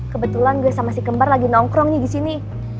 kebetulan gue sama si kembar lagi nongkrongnya disini